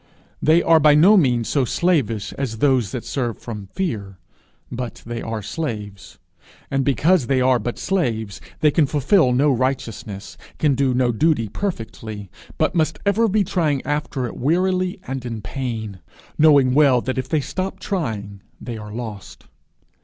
They are by no means so slavish as those that serve from fear, but they are slaves; and because they are but slaves, they can fulfil no righteousness, can do no duty perfectly, but must ever be trying after it wearily and in pain, knowing well that if they stop trying, they are lost.